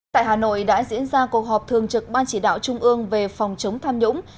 tại hà nội đã diễn ra cuộc họp thường trực ban chỉ đạo trung ương về phòng chống tham nhũng